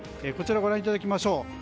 こちら、ご覧いただきましょう。